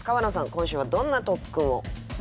今週はどんな特訓を？